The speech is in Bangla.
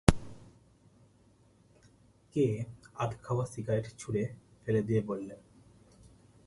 কে আধ-খাওয়া সিগারেট ছুঁড়ে ফেলে দিয়ে বললেন?